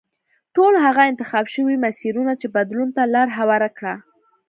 ټول هغه انتخاب شوي مسیرونه چې بدلون ته لار هواره کړه.